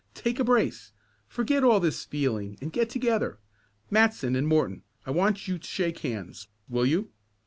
Take a brace. Forget all this feeling and get together. Matson and Morton, I want you to shake hands, will you?"